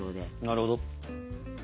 なるほど。